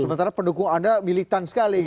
sementara pendukung anda militan sekali